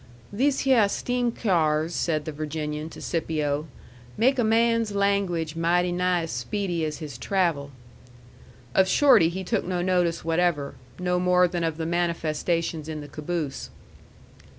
"These hyeh steam cyars," said the Virginian to Scipio, "make a man's language mighty nigh as speedy as his travel." Of Shorty he took no notice whatever no more than of the manifestations in the caboose.